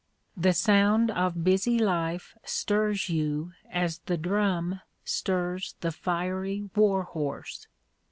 The sound of busy life stirs you as the drum stirs the fiery war horse.